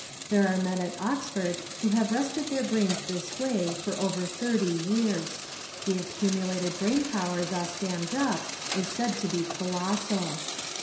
There are men at Oxford who have rested their brains this way for over thirty years: the accumulated brain power thus dammed up is said to be colossal.